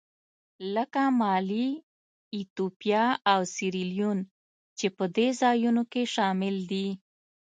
لکه مالي، ایتوپیا او سیریلیون چې په دې ځایونو کې شامل دي.